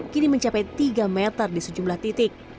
kini mencapai tiga meter di sejumlah titik